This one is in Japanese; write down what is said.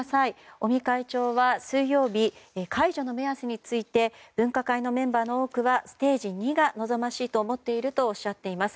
尾身会長は水曜日解除の目安について分科会のメンバーの多くはステージ２が望ましいと思っているとおっしゃっています。